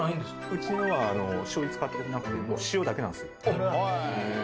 うちのはしょうゆ使ってなくて塩だけなんです。